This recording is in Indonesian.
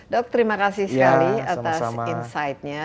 dok terima kasih sekali atas insightnya